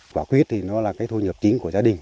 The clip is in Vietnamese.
quả quyết thì nó là cái thu nhập chính của gia đình